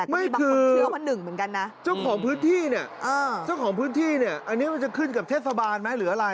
ไม่คือจ้างของพื้นที่นี่อันนี้มันขึ้นกับเทศบาลไหมหรืออะไร